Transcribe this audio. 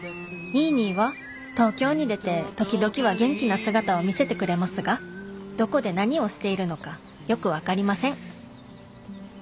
ニーニーは東京に出て時々は元気な姿を見せてくれますがどこで何をしているのかよく分かりません。